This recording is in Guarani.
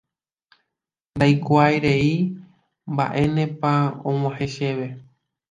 ndaikuaairei mba'énepa og̃uahẽ chéve